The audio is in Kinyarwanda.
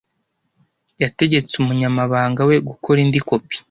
Yategetse umunyamabanga we gukora indi kopi.